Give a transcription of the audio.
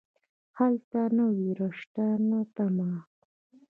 هلته نه ویره شته نه تمه.